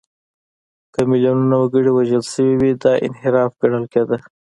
که میلیونونه وګړي وژل شوي وي، دا انحراف ګڼل کېده.